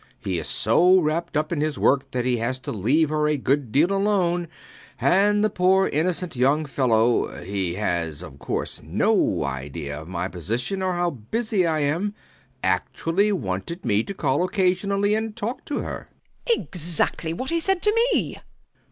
He is so wrapped up in his work that he has to leave her a good deal alone; and the poor innocent young fellow he has of course no idea of my position or how busy I am actually wanted me to call occasionally and talk to her. WALPOLE. Exactly what he said to me!